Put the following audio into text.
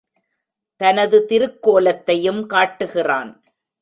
தனது திருக்கோலத்தையும் காட்டுகிறான்.